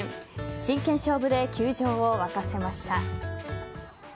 真剣勝負で球場を沸かせました。